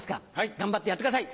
頑張ってやってください。